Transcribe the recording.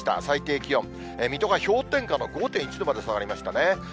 最低気温、水戸が氷点下の５．１度まで下がりましたね。